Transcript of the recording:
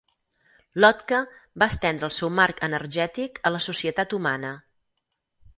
Lotka va estendre el seu marc energètic a la societat humana.